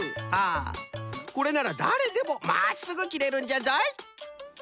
これならだれでもまっすぐ切れるんじゃぞい。